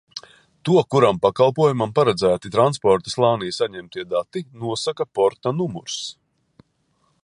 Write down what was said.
To, kuram pakalpojumam paredzēti transporta slānī saņemtie dati, nosaka porta numurs.